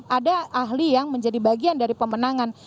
ada ahli yang menjadi bagian dari pemenangan